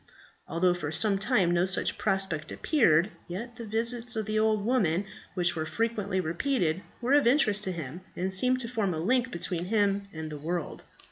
Although for some little time no such prospect appeared, yet the visits of the old woman, which were frequently repeated, were of interest to him, and seemed to form a link between him and the world.